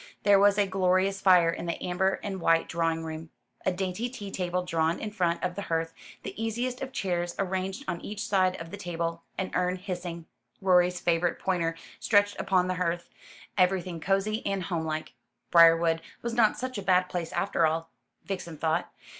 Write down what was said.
There was a glorious fire in the amber and white drawing room, a dainty tea table drawn in front of the hearth, the easiest of chairs arranged on each side of the table, an urn hissing, Rorie's favourite pointer stretched upon the hearth, everything cosy and homelike. Briarwood was not such a bad place after all, Vixen thought.